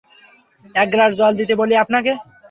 এক গ্লাস জল দিতে বলি আপনাকে?